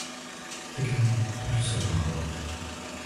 Tikai personālam.